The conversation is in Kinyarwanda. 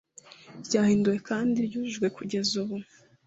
ryahinduwe kandi ryujujwe kugeza ubu